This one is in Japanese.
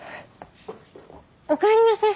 おかえりなさい。